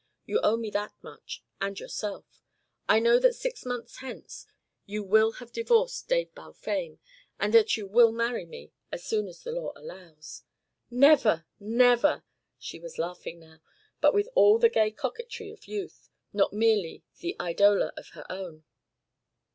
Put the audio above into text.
You owe me that much and yourself. I know that six months hence you will have divorced Dave Balfame, and that you will marry me as soon as the law allows." "Never! Never!" She was laughing now, but with all the gay coquetry of youth, not merely the eidola of her own.